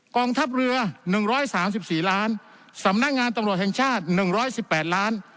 กองทัพเรือ๑๓๔ล้านสำนักงานตำรวจแห่งชาติ๑๑๘ล้าน